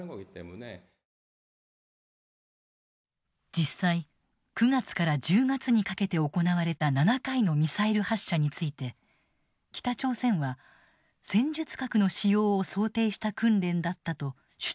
実際９月から１０月にかけて行われた７回のミサイル発射について北朝鮮は戦術核の使用を想定した訓練だったと主張している。